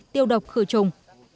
tiêu độc khử chủng